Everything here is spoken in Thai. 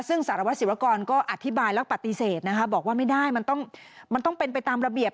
ซึ่งสารวจศีวค์กรก็อธิบายและปฏิเสธนะครับบอกว่ามันต้องเป็นไปตามระเบียบ